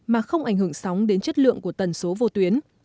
mà không ảnh hưởng sóng đến chất lượng của tần số vô tuyến